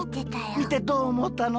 みてどうおもったの？